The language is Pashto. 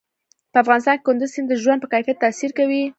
په افغانستان کې کندز سیند د ژوند په کیفیت تاثیر کوي.